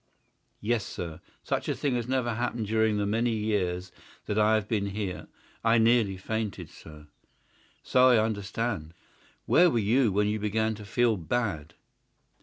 "Yes, sir. Such a thing has never happened during the many years that I have been here. I nearly fainted, sir." "So I understand. Where were you when you began to feel bad?"